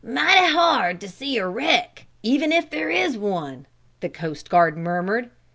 "Mighty hard to see a wreck, even if there is one," the coast guard murmured.